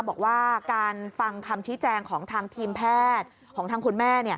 บอกว่าการฟังคำชี้แจงของทางทีมแพทย์ของทางคุณแม่